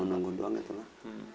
menunggu doang ya itu lah